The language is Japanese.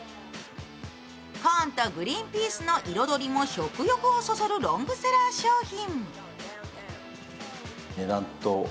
コーンとグリーンピースの彩りも食欲をそそるロングセラー商品。